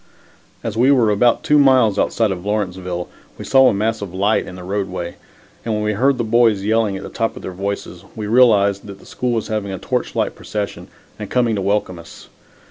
As we were about two miles outside of Lawrenceville, we saw a mass of light in the roadway, and when we heard the boys yelling at the top of their voices, we realized that the school was having a torch light procession and coming to welcome us.